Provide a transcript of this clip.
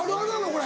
これ。